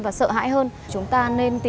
bác tài ơi